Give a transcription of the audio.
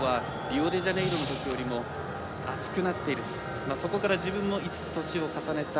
本人も世界の層はリオデジャネイロのときより厚くなっているしそこから自分も５つ年を重ねた。